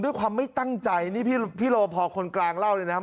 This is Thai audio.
ด้วยความไม่ตั้งใจนี่พี่รอพอคนกลางเล่าเลยนะครับ